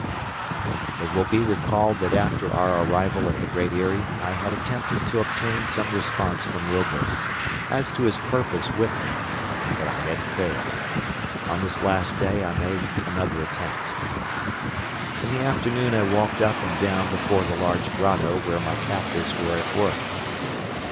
It will be recalled that after our arrival at the Great Eyrie, I had attempted to obtain some response from Robur, as to his purpose with me; but I had failed. On this last day I made another attempt. In the afternoon I walked up and down before the large grotto where my captors were at work.